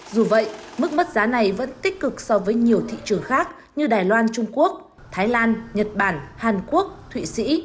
dù vậy mức mất giá này vẫn tích cực so với nhiều thị trường khác như đài loan trung quốc thái lan nhật bản hàn quốc thụy sĩ